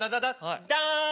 ダン！